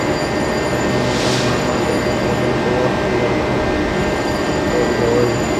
حاجي نورنګ ماما د ځنکدن په وخت کې لاسونه غورځول.